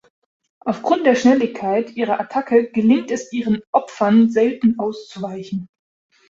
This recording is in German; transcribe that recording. Aufgrund der Schnelligkeit ihrer Attacke gelingt es ihren Opfern selten, auszuweichen.